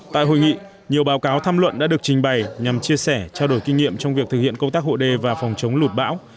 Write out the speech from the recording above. tại hội nghị nhiều báo cáo tham luận đã được trình bày nhằm chia sẻ trao đổi kinh nghiệm trong việc thực hiện công tác hộ đê và phòng chống lụt bão